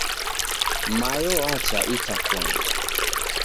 Mayo wacha itakoni.